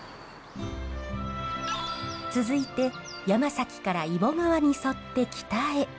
続いて山崎から揖保川に沿って北へ。